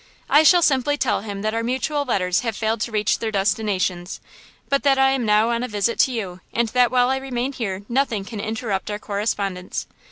I shall simply tell him that our mutual letters have failed to reach their destination, but that I am now on a visit to you, and that while I remain here nothing can interrupt our correspondence.